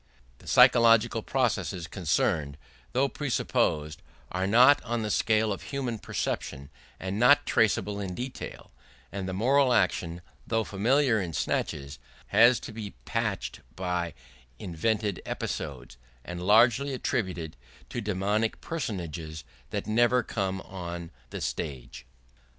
The physiological processes concerned, though presupposed, are not on the scale of human perception and not traceable in detail; and the moral action, though familiar in snatches, has to be patched by invented episodes, and largely attributed to daemonic personages that never come on the stage.